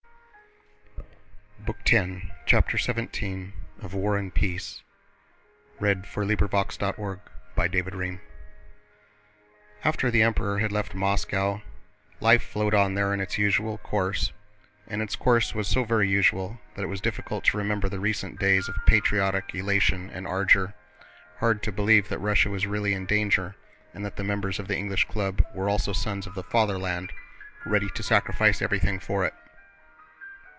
fluences, the popular choice of Kutúzov as commander in chief was received. CHAPTER XVII After the Emperor had left Moscow, life flowed on there in its usual course, and its course was so very usual that it was difficult to remember the recent days of patriotic elation and ardor, hard to believe that Russia was really in danger and that the members of the English Club were also sons of the Fatherland ready to sacrifice everything for it.